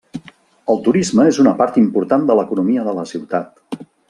El turisme és una part important de l'economia de la ciutat.